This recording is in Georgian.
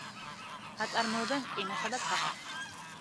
აწარმოებენ რკინასა და ქაღალდს.